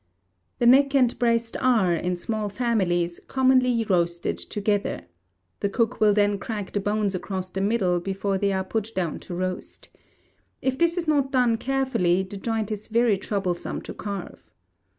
The neck and breast are, in small families, commonly roasted together. The cook will then crack the bones across the middle before they are put down to roast. If this is not done carefully, the joint is very troublesome to carve.